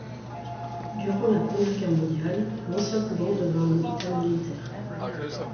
Durant la Première Guerre mondiale, l'ancien couvent devint un hôpital militaire.